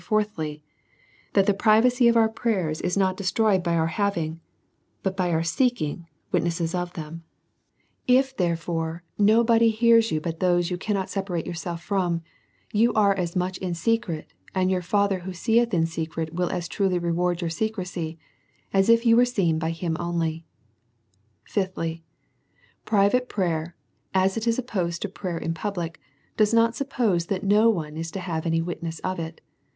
Fourthly, That the privacy of our prayers, is not destroyed by our having, but by dur seeking witnesses of them. If, therefore, nobody hears you but those you can not separate yourself from, you are as much in secret, and your Father who seeth in secret, will as truly re ward your secresy, as if you was seen by him alone. Fifthly, Private prayer, as it is opposed to prayer in public, does not suppose that no one is to have any witness of it.